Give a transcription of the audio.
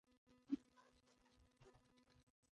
The park's central feature is Big Hill Pond.